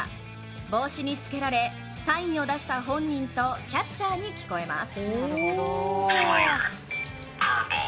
帽子につけられ、サインを出した本人とキャッチャーに聞こえます。